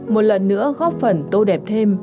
một lần nữa góp phần tô đẹp thêm